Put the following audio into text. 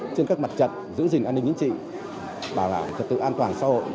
trên các mặt trận giữ gìn an ninh chính trị bảo đảm trật tự an toàn xã hội